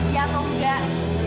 ya atau enggak